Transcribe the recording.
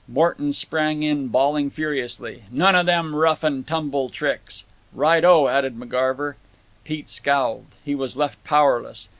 Morton sprang in, bawling furiously, "None o' them rough and tumble tricks." "Right o," added McGarver. Pete scowled. He was left powerless.